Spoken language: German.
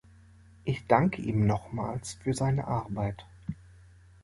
Ich danke ihm nochmals für seine Arbeit.